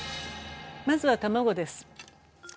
まずは卵です。